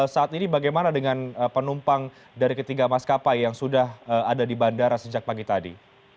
saat ini bagaimana dengan penumpang dari ketiga maskapai yang sudah ada di bandara sejak pagi tadi